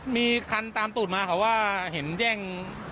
มีคันตามตูดมาเขาว่าเห็นแย่ง